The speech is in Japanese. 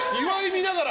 見ながら！